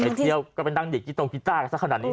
เดี๋ยวก็เป็นดั่งดิกจิตรงพิตร่ากันสักขนาดนี้